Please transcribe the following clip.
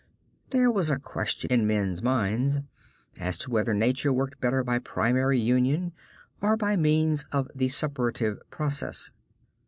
There was a question in men's minds as to whether nature worked better by primary union or by means of the suppurative process.